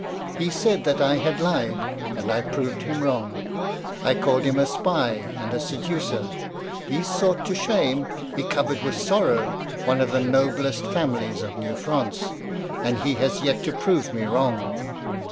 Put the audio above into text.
He said that I had lied, and I proved him wrong. I called him a spy and a seducer he sought to shame, he covered with sorrow, one of the noblest families of New France and he has yet to prove me wrong.